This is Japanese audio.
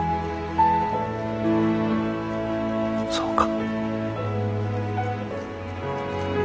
そうか。